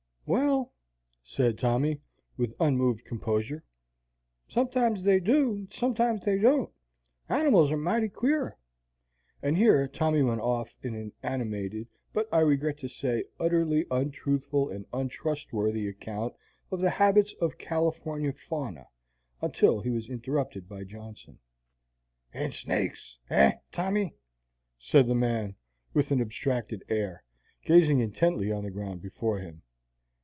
"Well," said Tommy, with unmoved composure, "sometimes they do and sometimes they don't. Animals are mighty queer." And here Tommy went off in an animated, but, I regret to say, utterly untruthful and untrustworthy account of the habits of California fauna, until he was interrupted by Johnson. "And snakes, eh, Tommy?" said the man, with an abstracted air, gazing intently on the ground before him.